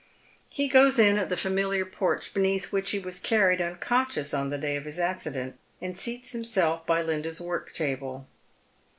He goes in at the familiar porch, beneath which he was carried unconscious on the day of his accident, and seats himself by Linda's work table.